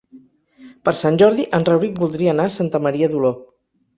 Per Sant Jordi en Rauric voldria anar a Santa Maria d'Oló.